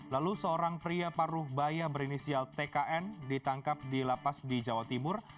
lalu seorang pria paruh baya berinisial tkn ditangkap di lapas di jawa timur